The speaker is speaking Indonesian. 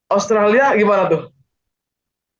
australia gimana tuh